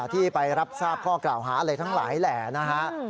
ที่ไปรับทราบข้อกล่าวหาอะไรทั้งหลายแหล่นะฮะ